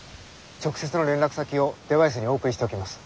直接の連絡先をデバイスにお送りしておきます。